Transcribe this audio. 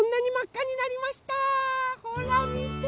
ほらみて！